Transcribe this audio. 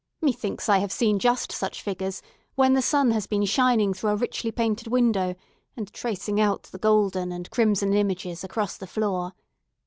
Methinks I have seen just such figures when the sun has been shining through a richly painted window, and tracing out the golden and crimson images across the floor.